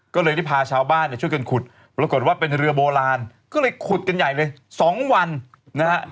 ก็เลยได้พาชาวบ้านเนี่ยช่วยกันขุดปรากฏว่าเป็นเรือโบราณก็เลยขุดกันใหญ่เลย๒วันนะฮะ